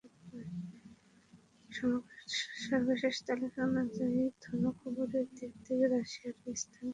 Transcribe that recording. Forbes সাময়িকীর সর্বশেষ তালিকা অনুযায়ী, ধনকুবেরের দিক থেকে রাশিয়ার অবস্থান তৃতীয় স্থানে।